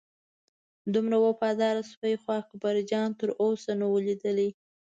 دومره وفاداره سپی خو اکبرجان تر اوسه نه و لیدلی.